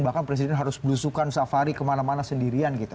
bahkan presiden harus berusukan safari kemana mana sendirian